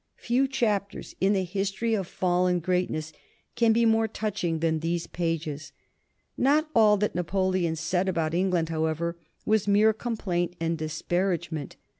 Few chapters in the history of fallen greatness can be more touching than these pages. Not all that Napoleon said about England, however, was mere complaint and disparagement.